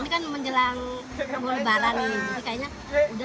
kau mau lari lari mau terkesetan aja